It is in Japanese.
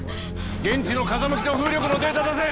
現地の風向きと風力のデータ出せ。